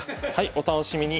お楽しみに！